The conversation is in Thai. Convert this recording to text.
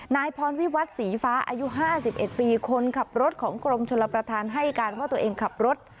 นายพรวิวัตรศรีฟ้าอายุ๕๑ปีคนขับรถของกรมชลประธานให้การว่าตัวเองขับรถ